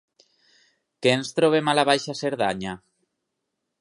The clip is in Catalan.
Què ens trobem a la Baixa Cerdanya?